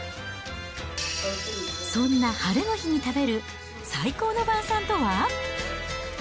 そんなハレの日に食べる最高の晩さんとは。